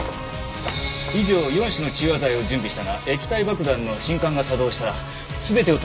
以上４種の中和剤を準備したが液体爆弾の信管が作動したら全てを試す時間はない。